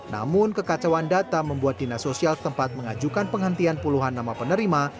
namun kekacauan data membuat dinas sosial tempat mengajukan penghentian puluhan nama penerima